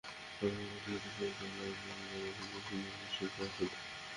কেবল প্রথাগত শিক্ষা নয়, আত্মানুসন্ধানের মধ্য দিয়ে সুন্দর সৃষ্টিই তাঁর সাধনা।